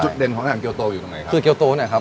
เด่นของอาหารเกียวโตอยู่ตรงไหนคือเกียวโตเนี่ยครับ